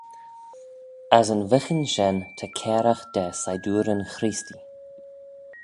As yn vyghin shen ta cairagh da sidooryn chreestee.